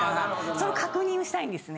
その確認をしたいんですね。